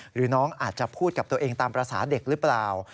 หรือน้องอาจจะพูดกับตัวเองตามภาษาเด็กหรือเปล่า